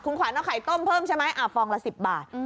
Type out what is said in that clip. คุณขวัญเอาไข่ต้มเพิ่มใช่ไหมฟองละ๑๐บาท